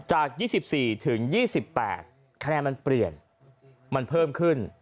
จาก๒๔ถึง๒๘คะแนนมันเปลี่ยนมันเพิ่มขึ้น